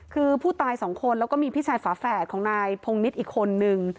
คือผู้ตายสองคนแล้วก็มีพี่ชายฝาแฝดของนายพงนิดอีกคนนึง